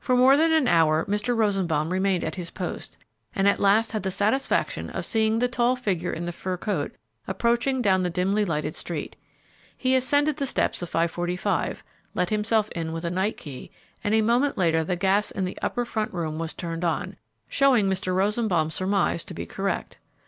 For more than an hour Mr. Rosenbaum remained at his post, and at last had the satisfaction of seeing the tall figure in the fur coat approaching down the dimly lighted street. He ascended the steps of 545, let himself in with a night key, and a moment later the gas in the upper front room was turned on, showing Mr. Rosenbaum's surmise to be correct.